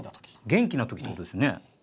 元気な時ってことですよね。